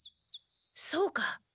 そうか。